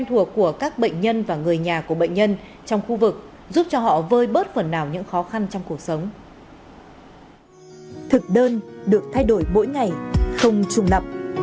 thực đơn được thay đổi mỗi ngày không trùng lập